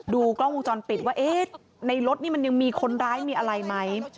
กล้องวงจรปิดว่าเอ๊ะในรถนี่มันยังมีคนร้ายมีอะไรไหม